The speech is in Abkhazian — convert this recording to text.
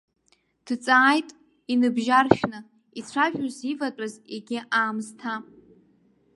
Дҵааит, иныбжьаршәны, ицәажәоз иватәаз егьи аамсҭа.